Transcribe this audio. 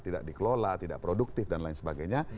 tidak dikelola tidak produktif dan lain sebagainya